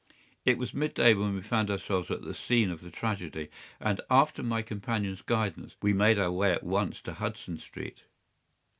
It was midday when we found ourselves at the scene of the tragedy, and, under my companion's guidance, we made our way at once to Hudson Street.